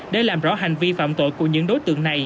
để làm rõ hành vi phạm tội của những đối tượng này